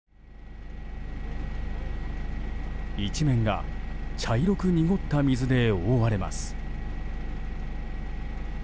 一面が茶色く濁った水で覆われます。